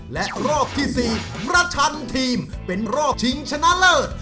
และรอบที่๔ประชันทีมเป็นรอบชิงชนะเลิศ